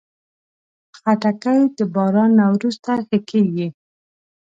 خټکی د باران نه وروسته ښه کېږي.